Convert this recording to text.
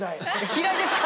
嫌いですか⁉